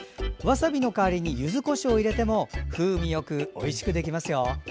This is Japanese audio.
わさびの代わりにゆずこしょうを入れても風味よくおいしくできますよ。